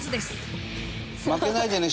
負けないでね